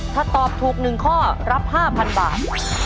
ถ้าตอบถูก๑ข้อรับ๕๐๐๐บาท